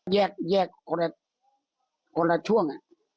แยกคนละช่วง